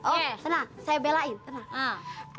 oh senang saya belain tenang